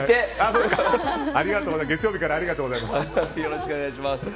月曜日からありがとうございます。